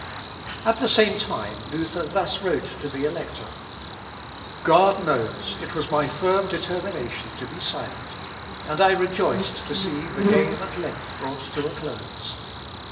At the same time Luther thus wrote to the Elector: "God knows it was my firm determination to be silent; and I rejoiced to see the game at length brought to a close.